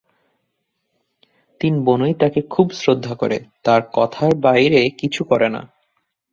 তিন বোনই তাঁকে খুব শ্রদ্ধা করে, তাঁর কথার বাইরে কিছু করে না।